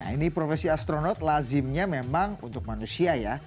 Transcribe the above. nah ini profesi astronot lazimnya memang untuk manusia ya